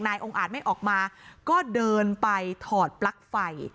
องค์อาจไม่ออกมาก็เดินไปถอดปลั๊กไฟ